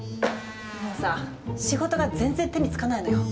もうさ仕事が全然手につかないのよ。